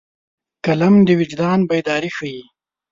قلم د وجدان بیداري ښيي